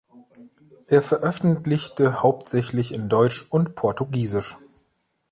Er veröffentlichte hauptsächlich in Deutsch und Portugiesisch.